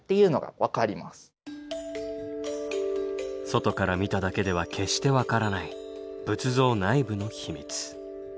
外から見ただけでは決して分からない仏像内部の秘密。